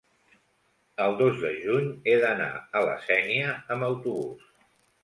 el dos de juny he d'anar a la Sénia amb autobús.